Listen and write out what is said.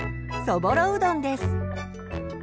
そぼろうどんです。